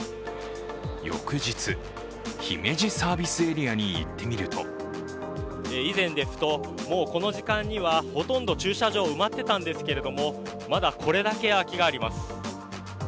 翌日、姫路サービスエリアに行ってみると以前ですと、もうこの時間にはほとんど駐車場、埋まってたんですけど、まだこれだけ空きがあります。